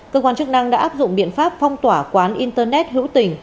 cơ quan chức năng đã áp dụng biện pháp phong tỏa quán internet hữu tình